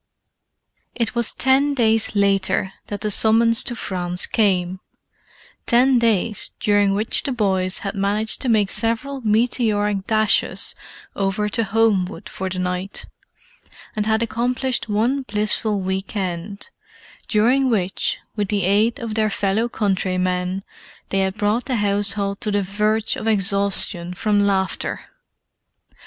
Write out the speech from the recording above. It was ten days later that the summons to France came—ten days during which the boys had managed to make several meteoric dashes over to Homewood for the night, and had accomplished one blissful week end, during which, with the aid of their fellow countrymen, they had brought the household to the verge of exhaustion from laughter.